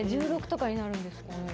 １６とかになるんですかね？